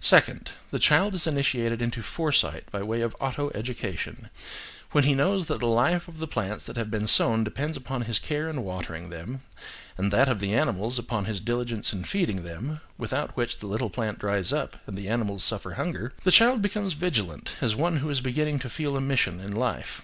Second. The child is initiated into foresight by way of auto education; when he knows that the life of the plants that have been sown depends upon his care in watering them, and that of the animals, upon his diligence in feeding them, without which the little plant dries up and the animals suffer hunger, the child becomes vigilant, as one who is beginning to feel a mission in life.